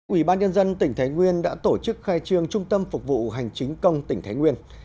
ủy ban nhân dân tỉnh thái nguyên đã tổ chức khai trương trung tâm phục vụ hành chính công tỉnh thái nguyên